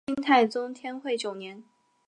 金太宗天会九年。